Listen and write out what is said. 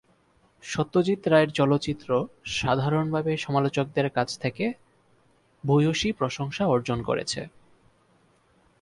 সত্যজিৎ রায়ের চলচ্চিত্র সাধারণভাবে সমালোচকদের কাছ থেকে ভূয়সী প্রশংসা অর্জন করেছে।